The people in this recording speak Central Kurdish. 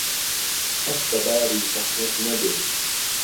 ئهک به باری زهحمهت نهبێ